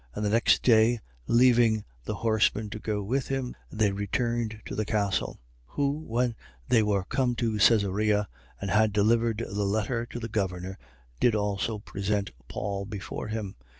23:32. And the next day, leaving the horsemen to go with him, they returned to the castle. 23:33. Who, when they were come to Caesarea and had delivered the letter to the governor, did also present Paul before him.